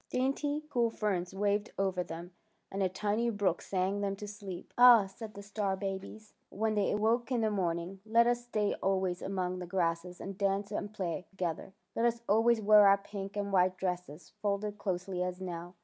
Dainty, cool ferns waved over them, and a tiny brook sang them to sleep. '' Ah," said the star babies, when they awoke in the morning, " let us stay always among the grasses and dance and play to gether. Let us always wear our pink and white dresses folded closely as now.